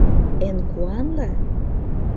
— Эн куанле?